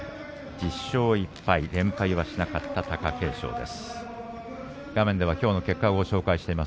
１０勝１敗連敗はしなかった貴景勝です。